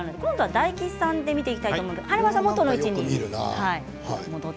大吉さんと見ていきたいと思います。